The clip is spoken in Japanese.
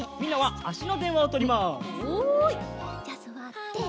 じゃあすわって。